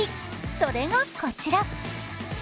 それが、こちら。